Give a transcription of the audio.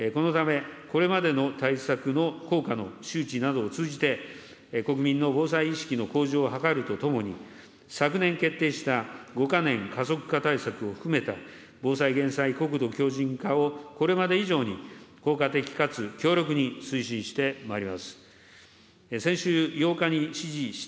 このため、これまでの対策の効果の周知などを通じて、国民の防災意識の向上を図るとともに、昨年決定した５か年加速化対策を含めた防災・減災、国土強じん化をこれまで以上に効果的かつ強力に推進してまいります。